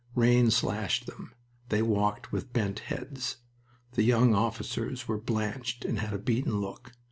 Rain slashed them. They walked with bent heads. The young officers were blanched and had a beaten look.